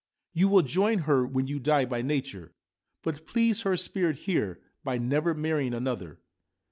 You will join her when you die by nature ; but please her spirit here by never marrying another.'